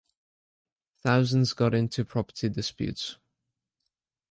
Thousands got into property disputes.